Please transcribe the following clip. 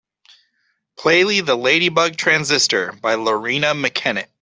Plaly The Ladybug Transistor by Loreena Mckennitt.